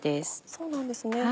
そうなんですね。